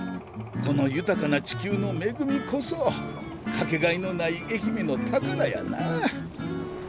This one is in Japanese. この豊かな地球の恵みこそ掛けがえのない愛媛の宝やな。